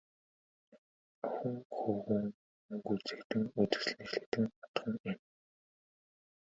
Охин хөвүүн өнгө үзэгдэн, үзэсгэлэн шилэгдэн одох нь энэ.